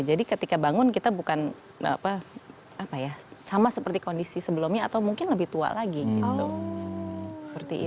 jadi ketika bangun kita bukan sama seperti kondisi sebelumnya atau mungkin lebih tua lagi gitu